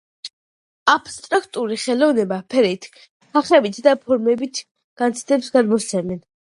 Აბსტრაქტული ხელოვნება ფერით, ხახებითა და ფორმებით განცდებს გადმოცემენ.